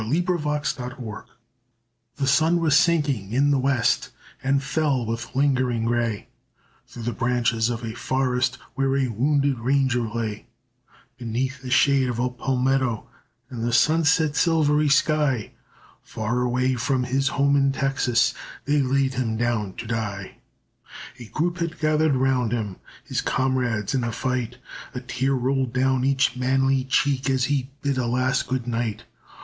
THE DYING RANGER The sun was sinking in the west And fell with lingering ray Through the branches of a forest Where a wounded ranger lay; Beneath the shade of a palmetto And the sunset silvery sky, Far away from his home in Texas They laid him down to die. A group had gathered round him, His comrades in the fight, A tear rolled down each manly cheek As he bid a last good night.